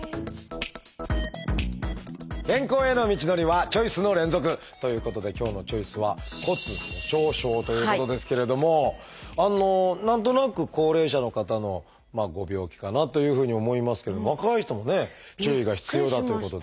健康への道のりはチョイスの連続！ということで今日の「チョイス」は何となく高齢者の方のご病気かなというふうに思いますけど若い人もね注意が必要だということで。